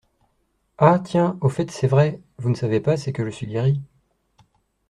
Ah ! tiens ! au fait, c'est vrai, vous ne savez pas c'est que je suis guérie.